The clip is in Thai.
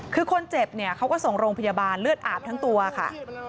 คือคนเจ็บเนี่ยเขาก็ส่งโรงพยาบาลเลือดอาบทั้งตัวค่ะ